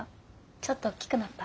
ちょっと大きくなった？